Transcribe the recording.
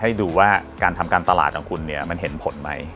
ให้ดูว่าการทำการตลาดของคุณเนี่ยมันเห็นผลไหม